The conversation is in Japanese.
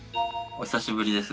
お久しぶりです